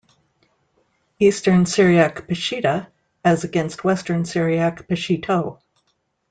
Eastern Syriac "Peshitta" as against Western Syriac "Peshito".